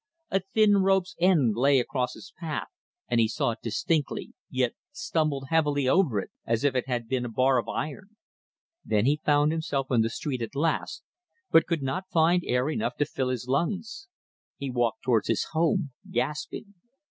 A thin rope's end lay across his path and he saw it distinctly, yet stumbled heavily over it as if it had been a bar of iron. Then he found himself in the street at last, but could not find air enough to fill his lungs. He walked towards his home, gasping.